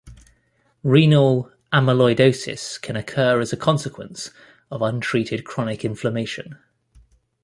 Renal amyloidosis can occur as a consequence of untreated chronic inflammation.